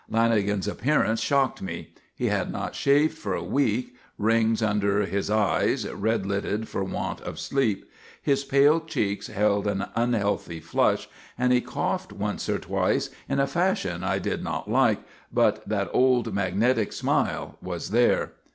Lanagan's appearance shocked me. He had not shaved for a week. Rings were under his eyes, red lidded for want of sleep. His pale cheeks held an unhealthy flush and he coughed once or twice in a fashion I did not like, but that old magnetic smile was there.